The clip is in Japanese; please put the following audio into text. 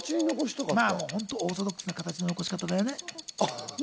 オーソドックスな形の残し方。